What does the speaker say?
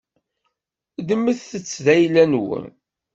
Ddmet-tt d ayla-nwen.